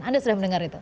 anda sudah mendengar itu